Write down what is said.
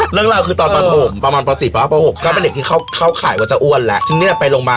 เรื่องเราคือตอนประธมประมาณประสิทธิ์ประมาณประปร่วง